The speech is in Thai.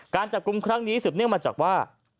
การจับกลุ่มครั้งนี้สืบเนื่องมาจากว่า